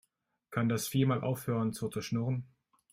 Kann das Viech mal aufhören so zu schnurren?